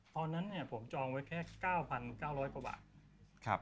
ตอนนั้นผมจองไว้แค่๙๙๐๐กว่าบาท